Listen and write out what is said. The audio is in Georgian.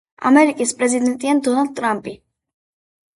ამერიკის პრეზიდენტია დონალდ ტრამპი